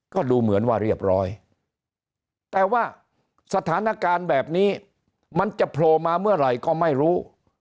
ก็ดูเหมือนว่าเรียบร้อยแต่ว่าสถานการณ์แบบนี้มันจะโผล่มาเมื่อไหร่ก็ไม่รู้